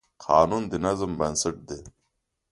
قانون د نظم بنسټ دی.